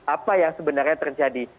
apa yang sebenarnya terjadi